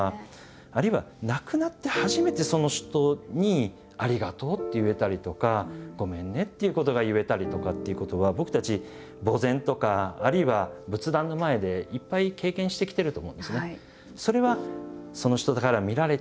あるいは亡くなって初めてその人に「ありがとう」って言えたりとか「ごめんね」っていうことが言えたりとかっていうことは僕たち墓前とかあるいは仏壇の前でいっぱい経験してきてると思うんですね。